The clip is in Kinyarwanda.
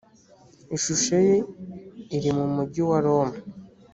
ishusho ye iri mu mugi wa roma